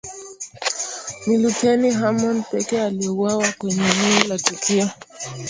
Ni Luteni Hamoud pekee aliyeuawa kwenye eneo la tukio